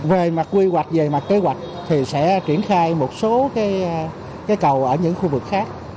về mặt quy hoạch về mặt kế hoạch thì sẽ triển khai một số cái cầu ở những khu vực khác